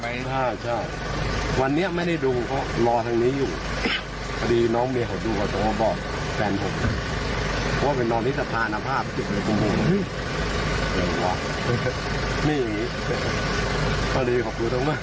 แบบนี้พอดีขอบคุณต่อมาก